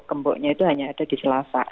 kemboknya itu hanya ada di selasa